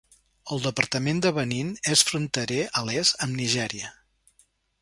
El departament de Benín és fronterer, a l'est, amb Nigèria.